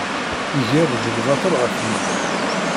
Iger-d lbaṭel ɣef medden.